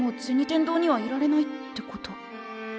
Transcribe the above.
天堂にはいられないってこと？